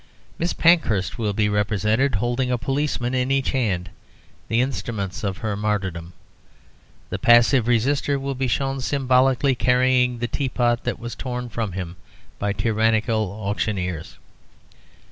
Miss Pankhurst will be represented holding a policeman in each hand the instruments of her martyrdom. The Passive Resister will be shown symbolically carrying the teapot that was torn from him by tyrannical auctioneers.